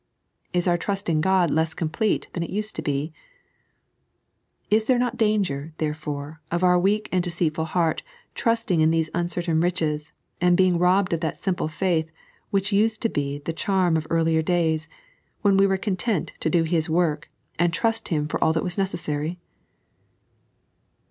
Is our trust in God less complete than it used to be ? Is there not danger, therefore, of our weak and deceitful heai't trusting in these uncertain riches, and being robbed of that simple faith which used to be the charm of earlier days, when we were content to do His work and trust Him for all that was necessary